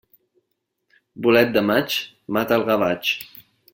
Bolet de maig mata el gavatx.